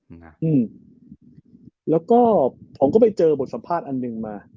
อืมนะอืมแล้วก็ผมก็ไปเจอบทสัมภาษณ์อันหนึ่งมา